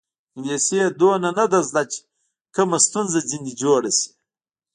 انګلیسي یې دومره نه ده زده چې کومه ستونزه ځنې جوړه شي.